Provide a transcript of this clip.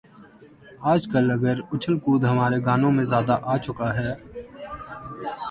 آج کل اگر اچھل کود ہمارے گانوں میں زیادہ آ چکا ہے۔